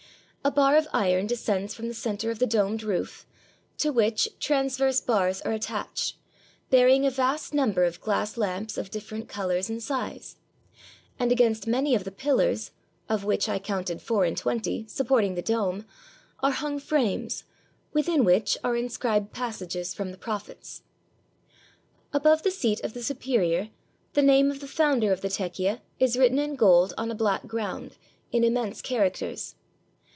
A bar of iron descends from the center of the domed roof, to which transverse bars are attached, bearing a vast number of glass lamps of different colors and size; and against many of the pillars, of which I counted four and twenty, supporting the dome, are hung frames, within which are inscribed passages from the Prophets. Above the seat of the superior, the name of the founder of the tekie is written in gold on a black ground, in immense characters.